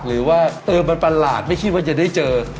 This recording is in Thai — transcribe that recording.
หรือว่าเออมันประหลาดไม่คิดว่าจะได้เจอ